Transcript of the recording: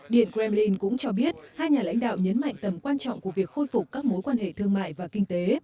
điện kremlin cũng cho biết hai nhà lãnh đạo nhấn mạnh tầm quan trọng của việc khôi phục các mối quan hệ thương mại và kinh tế